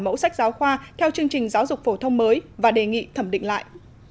mẫu sách giáo khoa theo chương trình giáo dục phổ thông mới và đề nghị thẩm định lại